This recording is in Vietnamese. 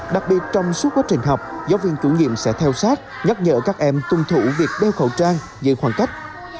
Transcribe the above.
đặc biệt trong suốt quá trình học giáo viên chủ nhiệm sẽ theo sát nhắc nhở các em tuân thủ việc đeo khẩu trang giữ khoảng cách